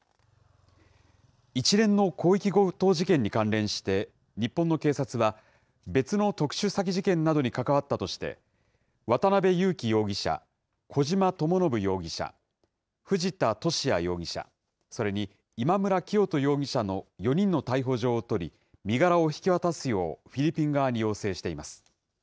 一連の広域強盗事件に関連して、日本の警察は、別の特殊詐欺事件などに関わったとして、渡邉優樹容疑者、小島智信容疑者、藤田聖也容疑者、それに今村磨人容疑者の４人の逮捕状を取り、身柄を引き渡すようフィリピン側に要請しています。